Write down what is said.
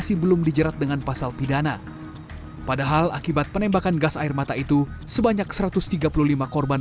suara suara dari keluarga korban